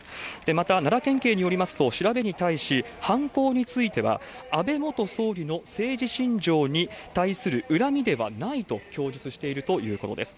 また、奈良県警によりますと、調べに対し、はんこうについては安倍元総理の政治信条に対する恨みではないと供述しているということです。